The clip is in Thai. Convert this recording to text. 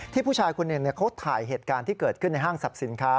ผู้ชายคนหนึ่งเขาถ่ายเหตุการณ์ที่เกิดขึ้นในห้างสรรพสินค้า